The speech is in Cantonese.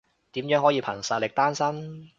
點樣可以憑實力單身？